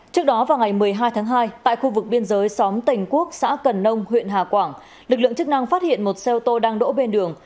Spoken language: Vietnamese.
trước đó vào ngày một mươi hai tháng hai tại khu vực biên giới xóm tình quốc xã cần nông huyện hà quảng lực lượng chức năng phát hiện một xe ô tô đang đổ bên đường